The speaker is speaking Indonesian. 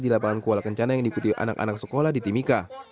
di lapangan kuala kencana yang diikuti anak anak sekolah di timika